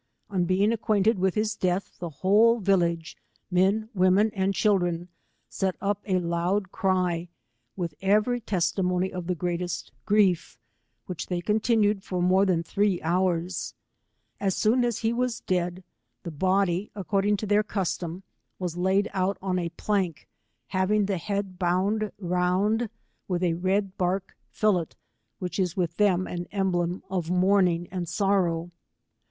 On being acquainted with his death the whole village, men, women and children, set up a loud cry, with every testimony of the greatest grief, which they continued for more than three hours. As soon as he was dead, the body, according to their custom, was laid out on a plank, having the head bound round with a red bark fillet, which is with them an emblem of mourning and sorrow.